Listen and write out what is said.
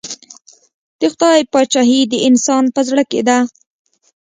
د خدای پاچهي د انسان په زړه کې ده.